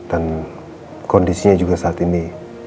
dan kondisinya juga saat ini